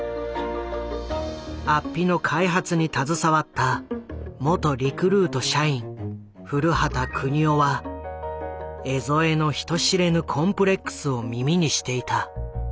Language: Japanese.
安比の開発に携わった元リクルート社員古旗邦夫は江副の人知れぬコンプレックスを耳にしていた。